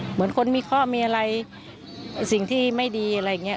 เหมือนคนมีข้อมีอะไรสิ่งที่ไม่ดีอะไรอย่างนี้